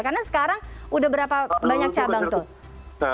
karena sekarang udah berapa banyak cabang tuh